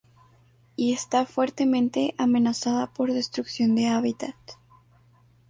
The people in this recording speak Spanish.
Y está fuertemente amenazada por destrucción de hábitat.